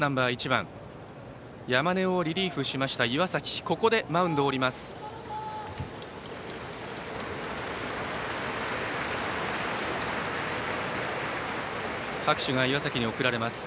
１番山根をリリーフしました岩崎がここでマウンドを降ります。